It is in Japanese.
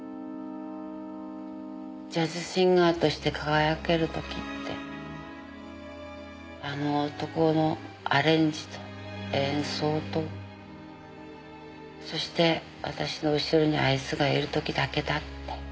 ジャズシンガーとして輝ける時ってあの男のアレンジと演奏とそして私の後ろにあいつがいる時だけだって。